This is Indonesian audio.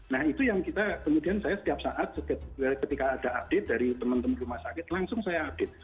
nah itu yang kita kemudian saya setiap saat ketika ada update dari teman teman rumah sakit langsung saya update